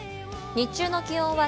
日中の気温は